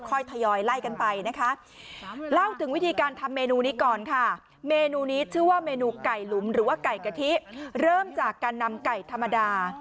ไก่หลุมหรือว่าไก่กะทิเริ่มจากการนำไก่ธรรมดา